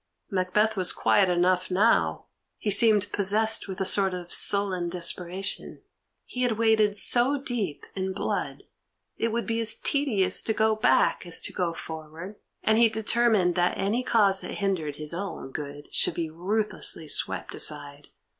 Macbeth was quiet enough now; he seemed possessed with a sort of sullen desperation. He had waded so deep in blood, it would be as tedious to go back as to go forward, and he determined that any cause that hindered his own good should be ruthlessly swept aside.